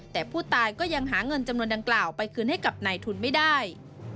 แต่ผู้ตายก็ยังหาเงินจำนวนดังกล่าวไปคืนให้กับนายทุนไม่ได้